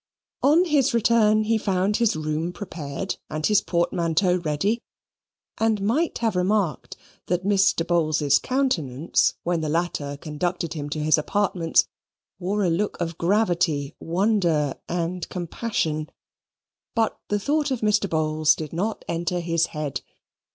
On his return he found his room prepared, and his portmanteau ready, and might have remarked that Mr. Bowls's countenance, when the latter conducted him to his apartments, wore a look of gravity, wonder, and compassion. But the thought of Mr. Bowls did not enter his head.